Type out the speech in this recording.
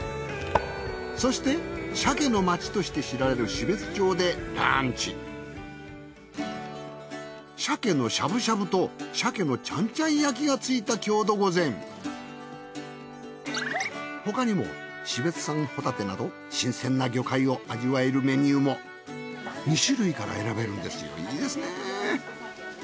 そして鮭の町として知られる標津町でランチ鮭のしゃぶしゃぶと鮭のちゃんちゃん焼きがついた郷土御膳他にも標津産ホタテなど新鮮な魚介を味わえるメニューもいいですね！